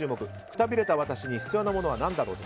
くたびれた私に必要なものは何だろう